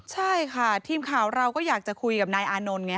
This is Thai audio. ใช่ค่ะทีมข่าวเราก็อยากจะคุยกับนายอานนท์ไง